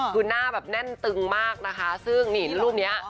คือหน้าแบบแน่นตึงมากนะคะซึ่งนี่รูปนี้